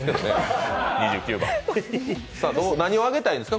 何をあげたいんですか？